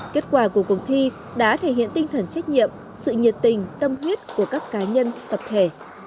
kết quả của cuộc thi đã thể hiện tinh thần trách nhiệm sự nhiệt tình tâm huyết của các cá nhân tập thể